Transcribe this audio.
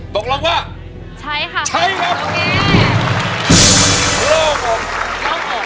ตกลงว่าใช้ค่ะใช้ครับโอเค